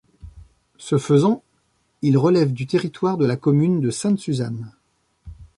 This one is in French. Ce faisant, il relève du territoire de la commune de Sainte-Suzanne.